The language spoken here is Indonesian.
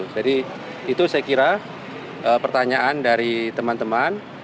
jadi itu saya kira pertanyaan dari teman teman